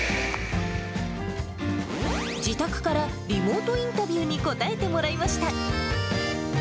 自宅からリモートインタビューに答えてもらいました。